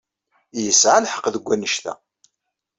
Yesɛa lḥeqq deg annect-a.